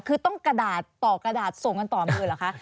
คือต้องกระดาษต่อกระดาษส่งกันต่อมือเหรอคะ